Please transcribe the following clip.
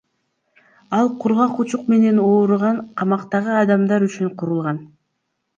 Ал кургак учук менен ооруган камактагы адамдар үчүн курулган.